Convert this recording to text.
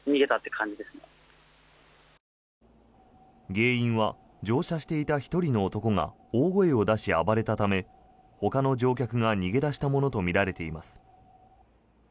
原因は乗車していた１人の男が大声を出し暴れたためほかの乗客が逃げ出したものとみられています。